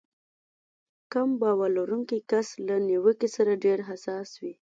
کم باور لرونکی کس له نيوکې سره ډېر حساس وي.